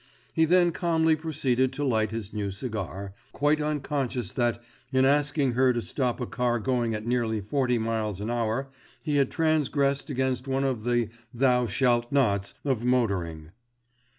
He then calmly proceeded to light his new cigar, quite unconscious that, in asking her to stop a car going at nearly forty miles an hour, he had transgressed against one of the "Thou shalt nots" of motoring.